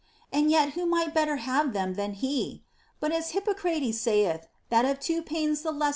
And yet who might better have them than he \ But as Hippocrates saith that of two pains the lesser * See II.